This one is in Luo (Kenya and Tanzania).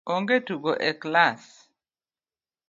Onge tugo e kilas